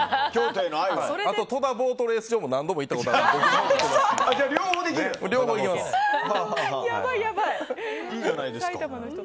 あと、戸田ボートレース場も何度も行ったことあるので両方いけます。